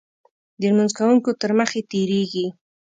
د لمونځ کوونکو تر مخې تېرېږي.